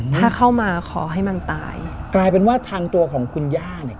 ถ้าเข้ามาขอให้มันตายกลายเป็นว่าทางตัวของคุณย่าเนี่ย